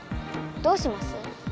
どうします？